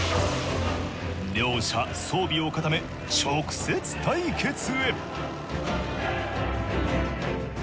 両者装備を固め直接対決へ。